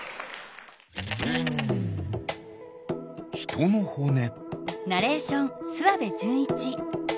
ひとのほね。